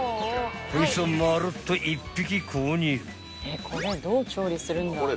［こいつをまるっと１匹購入］